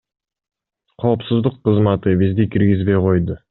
Коопсуздук кызматы бизди киргизбей койду.